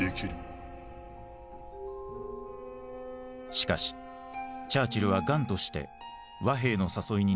しかしチャーチルは頑として和平の誘いに乗ってこない。